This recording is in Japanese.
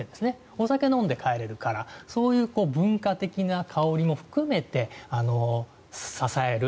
お酒を飲んで帰れるからそういう文化的な香りも含めて支える。